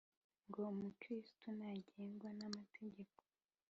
ngo umukristu ntagengwa n’amategeko